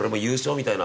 みたいな。